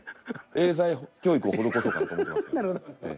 英才教育を施そうかと思ってますけど。